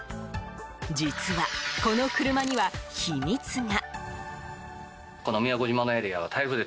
実は、この車には秘密が。